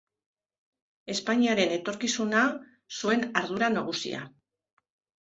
Espainiaren etorkizuna zuen ardura nagusia.